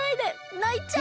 ないちゃう。